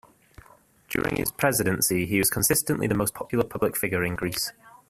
During his presidency, he was consistently the most popular public figure in Greece.